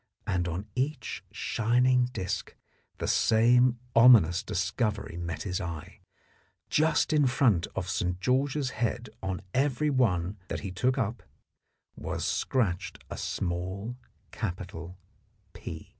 And on each shining disc the same ominous discovery met his eye : just in front of St. George's head on every one that he took up was scratched a small capital " P."